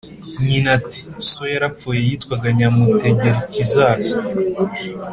Nyina ati: "So yarapfuye yitwaga Nyamutegerikizaza